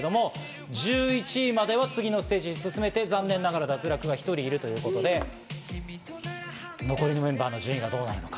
１１位までは次のステージに進めて、残念ながら脱落が１人いるということで、残りのメンバーの順位がどうなのか。